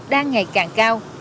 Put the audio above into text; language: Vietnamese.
đang ngày càng cao